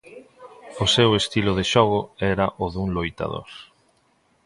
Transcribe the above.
O seu estilo de xogo era o dun loitador.